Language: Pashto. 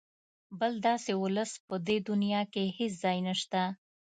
بل داسې ولس په دې دونیا کې هېڅ ځای نشته.